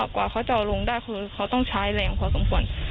กว่าเขาจะเอาลงได้คือเขาต้องใช้แรงพอสมควร